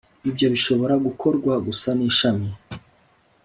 Ibyo bishobora gukorwa gusa n ishami